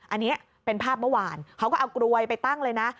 อันนี้เป็นภาพเมื่อวานเขาก็เอากลวยไปตั้งเลยนะ